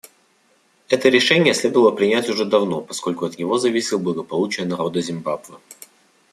Это решение следовало принять уже давно, поскольку от него зависело благополучие народа Зимбабве.